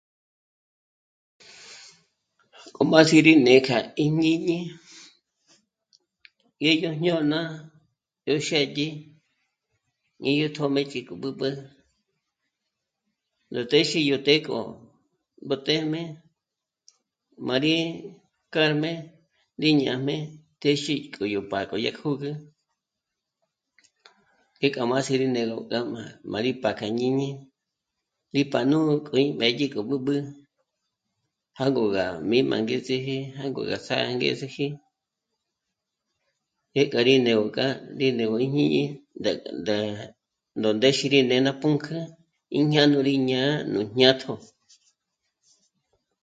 Ó má sí rí né'e kja íjñíñi ngé yó jñôna yó xë́dyi ní yó tjö́mëchi k'u b'ǚb'ü, nú téxi yó të́'ë k'o b'otéjme má rí kárjme ní ñā̂jme téxe k'o yó pá'a k'o gá kjǜgü ngé k'a má si rí né'egö ndájma má rí pa kja jñíñi lipá nu kjú'u mbédyi k'o b'ǚb'ü, jângo gá mí má angezeji jângogáts'a angezeji pjék'a rí né'egö k'a ní né'egö íjñíñi ndá gá, ndá nú ndéxi rí ná pǔnk'ü í ñá'a nú rí ñá'a nú jñátjo